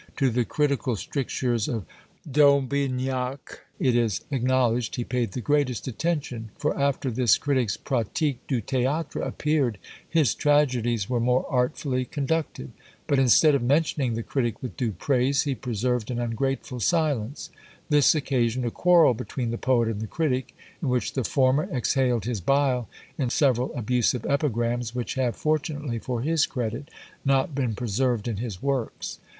To the critical strictures of D'Aubignac it is acknowledged he paid the greatest attention, for, after this critic's Pratique du Théâtre appeared, his tragedies were more artfully conducted. But instead of mentioning the critic with due praise, he preserved an ungrateful silence. This occasioned a quarrel between the poet and the critic, in which the former exhaled his bile in several abusive epigrams, which have, fortunately for his credit, not been preserved in his works.